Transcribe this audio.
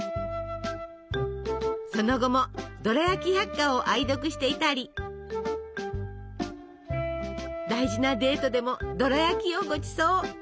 その後も「ドラヤキ百科」を愛読していたり大事なデートでもドラやきをごちそう。